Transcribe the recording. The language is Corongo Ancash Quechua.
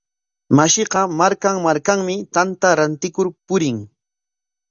Mashiqa markan markanmi tanta rantikur purin.